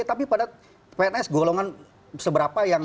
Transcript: tapi pada pns golongan seberapa yang